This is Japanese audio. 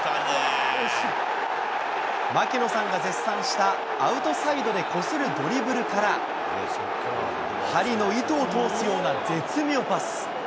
槙野さんが絶賛したアウトサイドでこするドリブルから、針の糸を通すような絶妙パス。